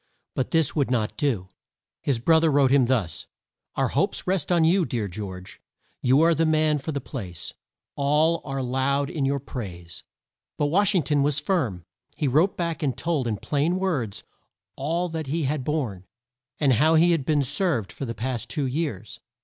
But this he would not do. His brother wrote him thus: "Our hopes rest on you, dear George. You are the man for the place: all are loud in your praise." But Wash ing ton was firm. He wrote back and told in plain words all that he had borne, and how he had been served for the past two years.